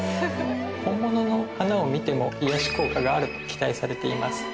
本物の花を見ても癒やし効果があると期待されています。